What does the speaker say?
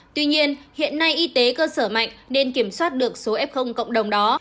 tuy nhiên hiện nay y tế cơ sở mạnh nên kiểm soát được số f cộng đồng đó